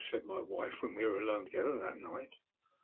said my wife, when we were alone together that night.